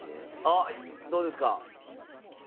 あっどうですか？